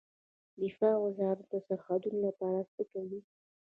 دفاع وزارت د سرحدونو لپاره څه کوي؟